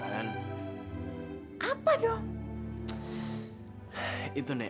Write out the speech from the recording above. hai apa dong itu nek